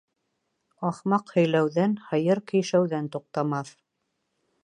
Ахмаҡ һөйләүҙән, һыйыр көйшәүҙән туҡтамаҫ.